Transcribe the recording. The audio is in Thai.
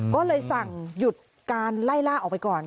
ก็เลยสั่งหยุดการไล่ล่าออกไปก่อน